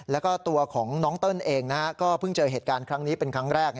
แล้วก็ตัวของน้องเติ้ลเองก็เพิ่งเจอเหตุการณ์ครั้งนี้เป็นครั้งแรก